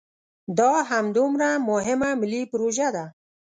دا همدومره مهمه ملي پروژه ده.